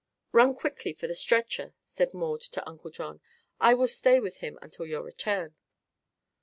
"Run quickly for the stretcher," said Maud to Uncle John. "I will stay with him until your return."